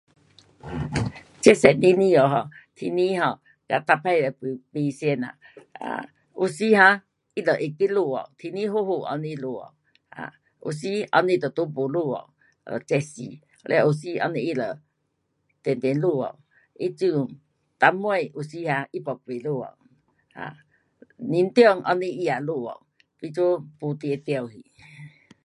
um 这十年里下，um 天气 um 哒每次会不，不同呐，有时 um 它就会去落雨，天气好好，后日落雨，um 有时后日就都没落雨。um 热死，了有时后日它就直直落雨。它这阵当尾有时 um 它又不落雨。um 年中这样它也落雨。因此没定得去。